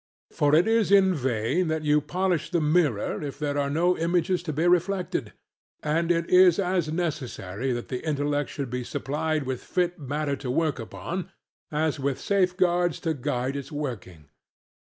For it is in vain that you polish the mirror if there are no images to be reflected; and it is as necessary that the intellect should be supplied with fit matter to work upon, as with safeguards to guide its working.